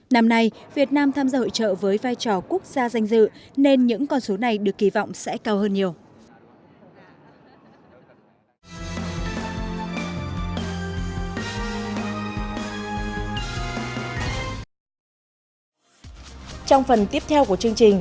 năm nay việt nam tham gia hội trợ với vai trò quốc gia danh dự nên những con số này được kỳ vọng sẽ cao hơn nhiều